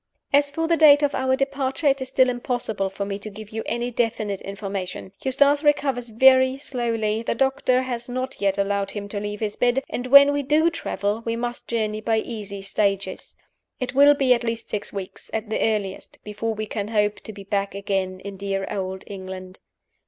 "As for the date of our departure, it is still impossible for me to give you any definite information. Eustace recovers very slowly; the doctor has not yet allowed him to leave his bed; and when we do travel we must journey by easy stages. It will be at least six weeks, at the earliest, before we can hope to be back again in dear Old England.